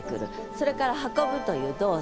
それから「運ぶ」という動作。